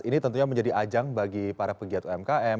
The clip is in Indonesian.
ini tentunya menjadi ajang bagi para pegiat umkm